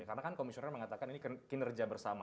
karena kan komisioner mengatakan ini kinerja bersama